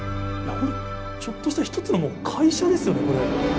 ちょっとした一つの会社ですよね、これ。